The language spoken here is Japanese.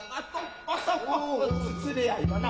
連れ合いもな